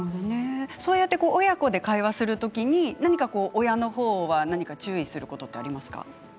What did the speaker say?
そうやって親子で会話するときに、親のほうは注意することってありますか？